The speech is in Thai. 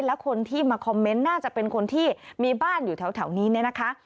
และคนที่มาคอมเมนต์น่าจะเป็นคนที่มีบ้านอยู่แถวนี้เนี่ยนะคะ